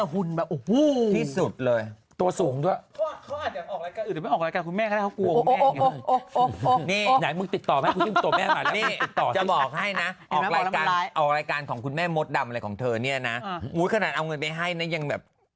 ไหนนะหรือเปล่ารายการทันยังไม่ได้ออกเหรอเดี๋ยวค่ะจริง